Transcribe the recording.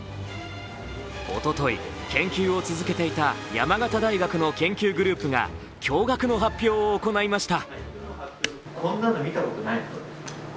おととい、研究を続けていた山形大学の研究グループが驚がくの発表を行いました。